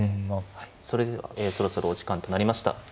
はいそれではそろそろお時間となりました。